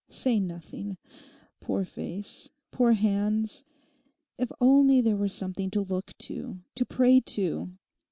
Say nothing—poor face, poor hands. If only there were something to look to—to pray to!